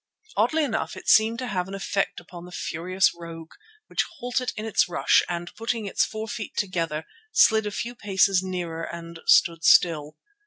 Oddly enough it seemed to have an effect upon the furious rogue, which halted in its rush and, putting its four feet together, slid a few paces nearer and stood still.